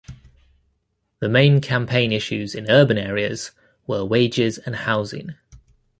The main campaign issues in urban areas were wages and housing.